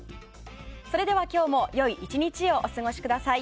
それでは今日も良い１日をお過ごしください。